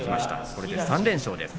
これで３連勝です。